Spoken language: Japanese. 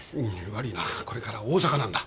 悪いなこれから大阪なんだ。